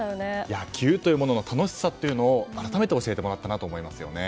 野球というものの楽しさを改めて教えてもらったなと思いますよね。